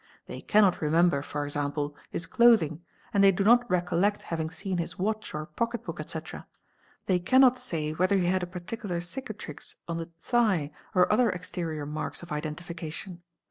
They cannot remember, e.g., his clothing, and they do not recollect having seen his watch or pocket book, etc., they cannot — say whether he had a particular cicatrix on the thigh, or other exterior marks of identification.